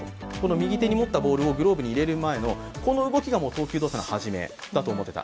右手に持ったボールをグローブに入れる、この動作が投球動作の始めだと思っていた。